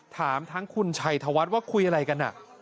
ถามทั้งคุณชัยธวัฒน์ว่าคุยอะไรกัน